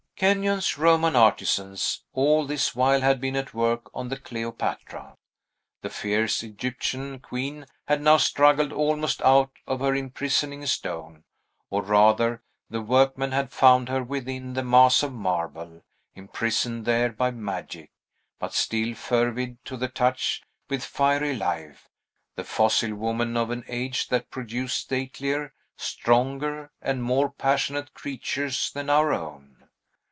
Kenyon's Roman artisans, all this while, had been at work on the Cleopatra. The fierce Egyptian queen had now struggled almost out of the imprisoning stone; or, rather, the workmen had found her within the mass of marble, imprisoned there by magic, but still fervid to the touch with fiery life, the fossil woman of an age that produced statelier, stronger, and more passionate creatures than our own.